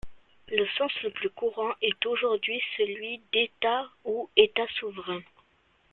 Le sens le plus courant est aujourd'hui celui d'État ou État souverain.